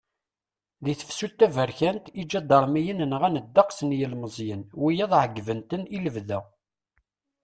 Di tefsut taberkant, iǧadaṛmiyen nɣan ddeqs n yilmeẓyen, wiyaḍ ɛeggben-ten ilebda.